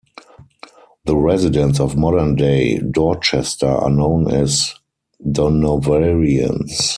The residents of modern-day Dorchester are known as "Durnovarians".